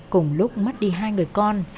cùng lúc mất đi hai người con